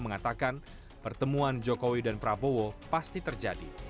mengatakan pertemuan jokowi dan prabowo pasti terjadi